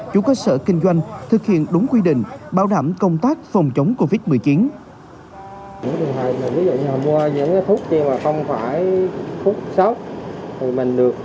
chủ cơ sở kinh doanh thực hiện đúng quy định bảo đảm công tác phòng chống covid một mươi chín